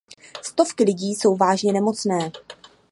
Stovky lidí jsou vážně nemocné.